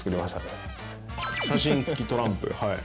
写真付きトランプはい。